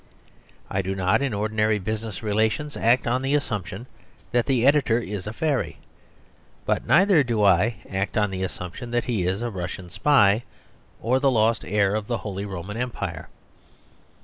I do not in ordinary business relations act on the assumption that the editor is a fairy; but neither do I act on the assumption that he is a Russian spy, or the lost heir of the Holy Roman Empire.